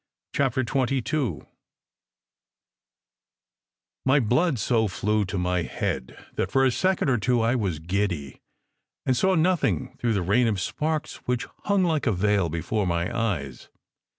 CHAPTER XXII MY BLOOD so flew to my head that for a second or two I was giddy, and saw nothing through the rain of sparks which hung like a veil before my eyes.